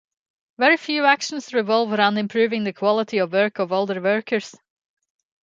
Very few actions revolve around improving the quality of work of older workers.